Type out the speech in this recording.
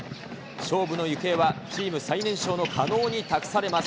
勝負の行方はチーム最年少の加納に託されます。